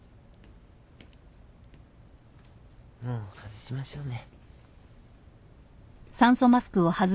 もう外しましょうね。